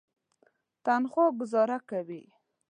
تنخوا ګوزاره کوي.